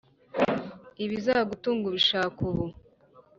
ibizagutunga ubishaka ubu